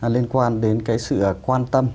liên quan đến sự quan tâm